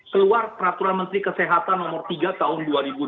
keluar peraturan menteri kesehatan nomor tiga tahun dua ribu dua puluh